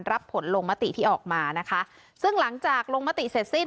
รับผลลงมติที่ออกมานะคะซึ่งหลังจากลงมติเสร็จสิ้น